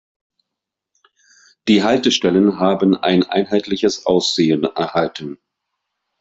Die Haltestellen haben ein einheitliches Aussehen erhalten.